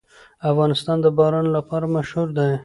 افغانستان د باران لپاره مشهور دی.